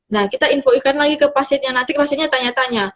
nah kita infokan lagi ke pasiennya nanti pasiennya tanya tanya